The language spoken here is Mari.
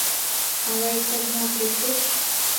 Ала иктаж-моак лектеш?